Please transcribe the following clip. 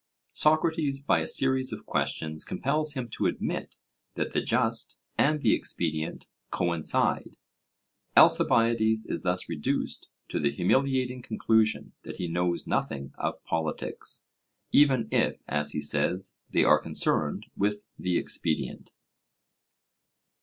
Socrates, by a series of questions, compels him to admit that the just and the expedient coincide. Alcibiades is thus reduced to the humiliating conclusion that he knows nothing of politics, even if, as he says, they are concerned with the expedient.